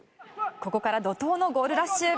ここから怒涛のゴールラッシュ。